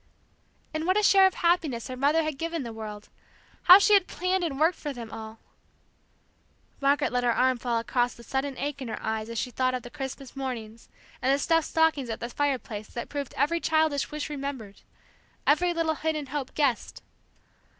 And what a share of happiness her mother had given the world! How she had planned and worked for them all, Margaret let her arm fall across the sudden ache in her eyes as she thought of the Christmas mornings, and the stuffed stockings at the fireplace that proved every childish wish remembered, every little hidden hope guessed!